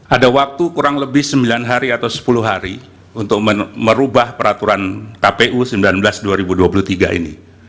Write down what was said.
ada waktu kurang lebih sembilan hari atau sepuluh hari untuk merubah peraturan kpu sembilan belas dua ribu dua puluh tiga ini